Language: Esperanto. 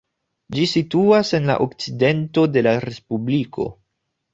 Ĝi situas en la okcidento de la respubliko.